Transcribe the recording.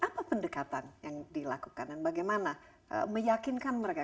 apa pendekatan yang dilakukan dan bagaimana meyakinkan mereka